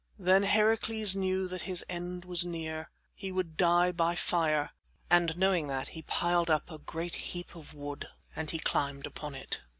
Then Heracles knew that his end was near. He would die by fire, and knowing that he piled up a great heap of wood and he climbed upon it.